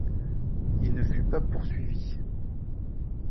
Il ne fut pas poursuivi.